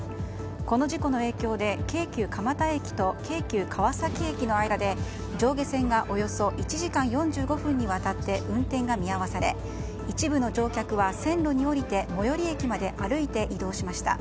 この事故の影響で京急蒲田駅と京急川崎駅の間で、上下線がおよそ１時間４５分にわたって運転が見合わされ一部の乗客は線路に降りて最寄り駅まで歩いて移動しました。